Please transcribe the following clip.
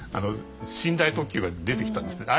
寝台特急が出てきたんですね。